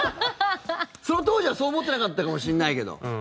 その当時はそう思ってなかったかもしれないけど。